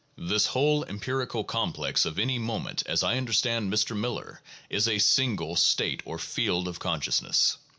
'" 1 This whole empirical complex of any moment, as I understand Mr. Miller, is a "single state or field of consciousness."